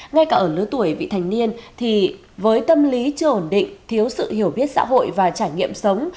ngay cả ở lứa tuổi vị thành niên thì với tâm lý chưa ổn định thiếu sự hiểu biết xã hội và trải nghiệm sống